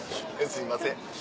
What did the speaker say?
すいません。